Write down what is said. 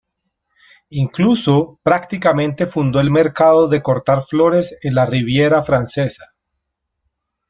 Incluso prácticamente fundó el mercado de cortar flores en la Riviera francesa.